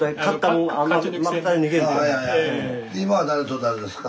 今は誰と誰ですか？